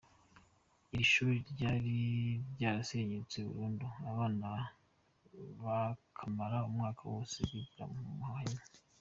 Iri shuri ryari ryarasenyutse burundu, abana bakamara umwaka wose bigira mu mahema.